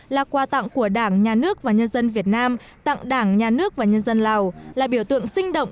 là quà tặng của đảng nhà nước và nhân dân việt nam tặng đảng nhà nước và nhân dân lào là biểu tượng sinh động